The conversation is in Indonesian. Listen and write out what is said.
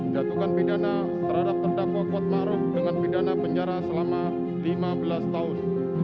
datukan pidana terhadap terdakwa kuat ma'ruf dengan pidana penjara selama lima belas tahun